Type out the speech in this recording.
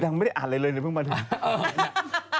เดี๋ยวมันไม่ได้อ่านอะไรเลยเดี๋ยวเพิ่งมาเทียบ